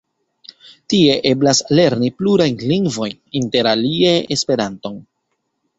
Tie eblas lerni plurajn lingvojn, interalie Esperanton.